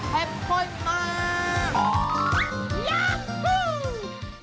เผ็ดข้นมาก